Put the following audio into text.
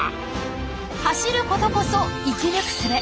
走ることこそ生き抜くすべ。